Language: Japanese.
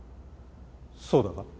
そうだが。